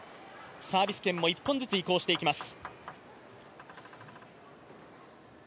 サービス権も１本ずつ移行していきます。